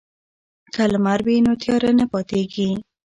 که لمر وي نو تیارې نه پاتیږي.